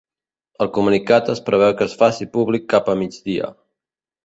El comunicat es preveu que es faci públic cap a migdia.